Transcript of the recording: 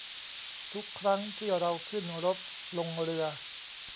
ทุกครั้งที่เราขึ้นรถลงเรือ